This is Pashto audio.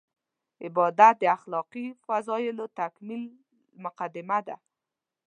عبادت د اخلاقي فضایلو تکمیل مقدمه ده.